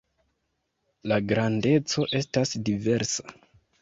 La grandeco estas diversa.